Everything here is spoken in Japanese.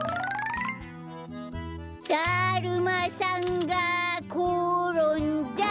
だるまさんがころんだ！